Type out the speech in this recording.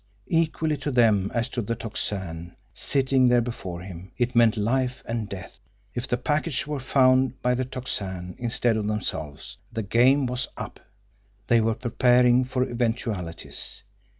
Equally to them, as to the Tocsin, sitting there before him, it meant life and death. If the package were found by the Tocsin instead of themselves, the game was up! They were preparing for eventualities.